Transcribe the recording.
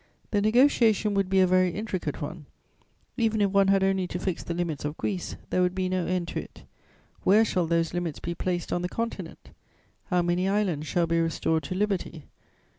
The negociation would be a very intricate one; even if one had only to fix the limits of Greece, there would be no end to it. Where shall those limits be placed on the Continent? How many islands shall be restored to liberty?